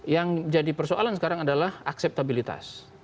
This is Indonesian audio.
yang jadi persoalan sekarang adalah akseptabilitas